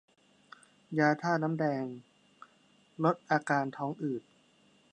ยาธาตุน้ำแดง ลดอาการท้องอืด